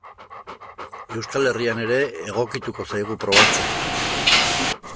Euskal Herrian ere egokituko zaigu probatzea.